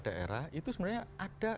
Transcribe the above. daerah itu sebenarnya ada